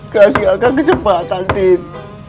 kasih akan kesempatan tin